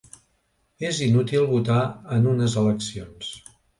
És inútil votar en unes eleccions.